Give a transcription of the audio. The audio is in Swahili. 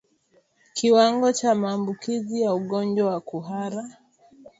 Kiwango cha maambukizi ya ugonjwa wa kuhara